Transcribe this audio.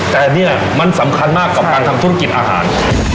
แต่เนี่ยมันสำคัญมากกับการทำธุรกิจอาหาร